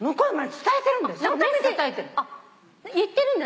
言ってるんだ